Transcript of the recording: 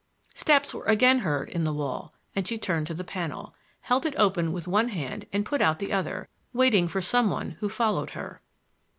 Steps were again heard in the wall, and she turned to the panel, held it open with one hand and put out the other, waiting for some one who followed her.